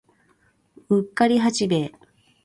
うっかり八兵衛